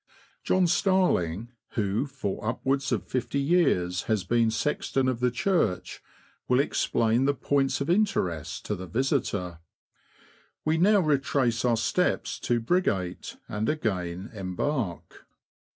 John Starling, who for upwards of fifty years has been sexton of the church, will explain the points of interest to the visitor. We now retrace our steps to Briggate, and again embark.